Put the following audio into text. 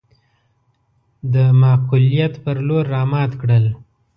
د معقوليت پر لور رامات کړل.